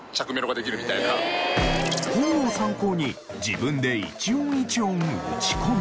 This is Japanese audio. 本を参考に自分で１音１音打ち込み。